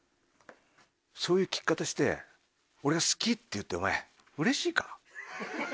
そういう聞き方して俺が好きって言ってお前うれしいか？